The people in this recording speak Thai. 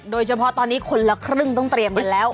โดยเฉพาะตอนนี้คนละครึ่งต้องเตรียมกันแล้ว